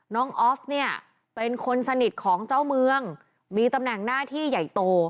ออฟเนี่ยเป็นคนสนิทของเจ้าเมืองมีตำแหน่งหน้าที่ใหญ่โต